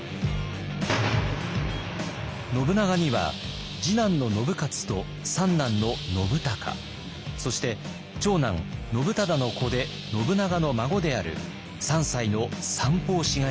信長には次男の信雄と三男の信孝そして長男信忠の子で信長の孫である３歳の三法師がいました。